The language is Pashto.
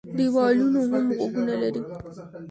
ـ دېوالونو هم غوږونه لري.